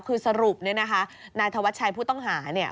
คือสรุปเนี่ยนะคะนายธวัชชัยผู้ต้องหาเนี่ย